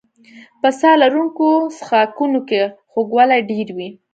په ساه لرونکو څښاکونو کې خوږوالی ډېر وي.